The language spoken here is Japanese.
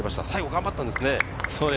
最後、頑張ったんですね。